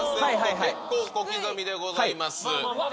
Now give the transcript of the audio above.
結構小刻みでございます。